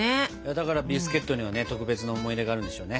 だからビスケットにはね特別な思い出があるんでしょうね。